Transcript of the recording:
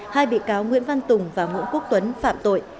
hai bị cáo nguyễn văn tùng và nguyễn quốc tuấn phạm tội